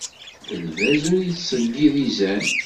Lbaz ur yettseyyiḍ izan.